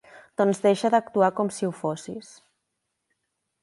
Doncs deixa d'actuar com si ho fossis.